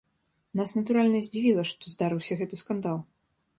Нас, натуральна, здзівіла, што здарыўся гэты скандал.